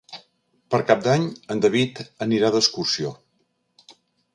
Per Cap d'Any en David anirà d'excursió.